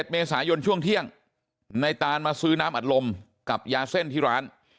เมษายนช่วงเที่ยงในตานมาซื้อน้ำอัดลมกับยาเส้นที่ร้าน